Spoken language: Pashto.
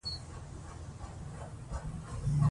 مطالعه د بېکارۍ او بې هدفۍ لپاره تر ټولو ښه بوختیا ده.